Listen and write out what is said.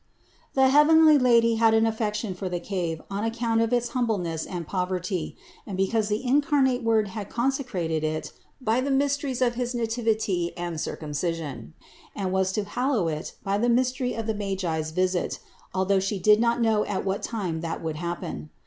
The heavenly Lady had an affection for the cave on account of its humbleness and poverty, and because the incarnate Word had consecrated it by the mysteries of his Nativity and Circumcision, and was to hallow it by the mystery of the Magi's visit, although She did not know at what time that would happen.